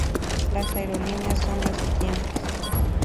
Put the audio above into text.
Las aerolíneas son las siguientes.